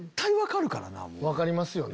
分かりますよね。